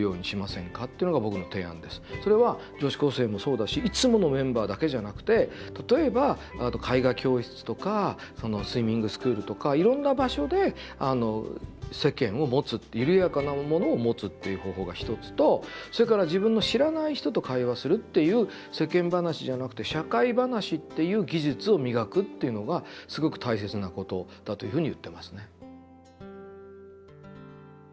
それは女子高生もそうだしいつものメンバーだけじゃなくて例えば絵画教室とかスイミングスクールとかいろんな場所で世間を持つ緩やかなものを持つっていう方法が一つとそれから自分の知らない人と会話するっていう「世間話」じゃなくて「社会話」っていう技術を磨くっていうのがすごく大切なことだというふうに言ってますね。